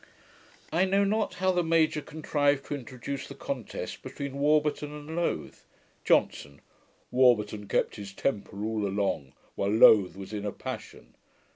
I know not how the Major contrived to introduce the contest between Warburton and Lowth. JOHNSON. 'Warburton kept his temper all along, while Lowth was in a passion.